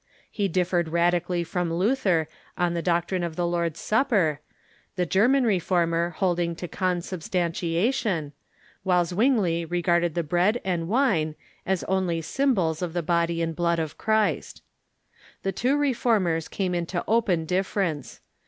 He differed radical!}^ from Luther on the doctrine of the Lord's Supper, the German Reformer holding to consubstantiation, ■while Zwingli regarded the bread and wine as only symbols of the body and blood of Christ, The two Reformers came into open difference.